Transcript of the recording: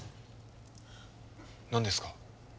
何ですか？